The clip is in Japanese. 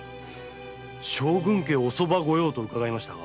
将軍家お側御用と伺いましたが。